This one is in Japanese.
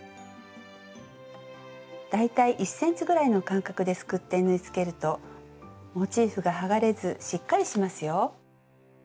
大体１ｃｍぐらいの間隔ですくって縫い付けるとモチーフが剥がれずしっかりしますよ。